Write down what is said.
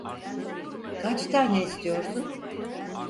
Kaç tane istiyorsun?